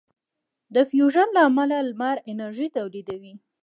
د فیوژن له امله لمر انرژي تولیدوي.